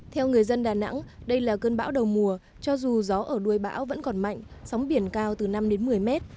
theo người dân đà nẵng đây là cơn bão đầu mùa cho dù gió ở đuôi bão vẫn còn mạnh sóng biển cao từ năm đến một mươi mét